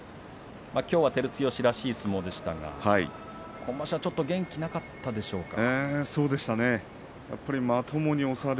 きょうは照強らしい相撲でしたが今場所ちょっと元気がなかったでしょうか。